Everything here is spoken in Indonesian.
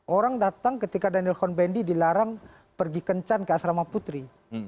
orang datang ketika daniel convendi dilarang pergi kencan ke asrama putri